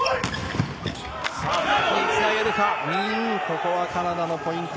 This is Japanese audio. ここはカナダのポイント。